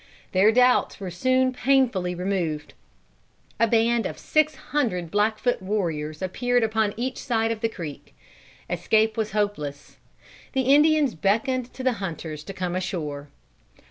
Their doubts were soon painfully removed. A band of six hundred Blackfoot warriors appeared upon each side of the creek. Escape was hopeless. The Indians beckoned to the hunters to come ashore.